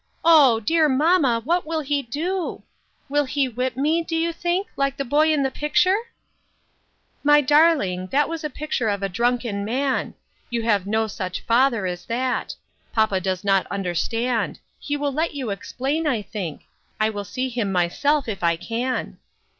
Oh ! dear mamma, what will he do ? Will he whip me, do you think, like the boy in the picture ?"" My darling, that was a picture of a drunken man ; you have no such father as that. Papa does not understand ; he will let you explain, I think. I will see him myself if I can."